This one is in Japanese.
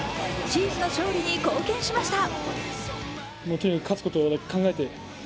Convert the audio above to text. チームの勝利に貢献しました。